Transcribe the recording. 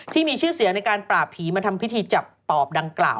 ที่มีชื่อเสียงในการปราบผีมาทำพิธีจับปอบดังกล่าว